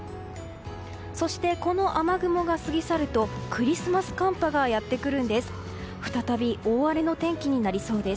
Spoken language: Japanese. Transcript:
そして、この雨雲が過ぎ去るとクリスマス寒波がやってくるんです。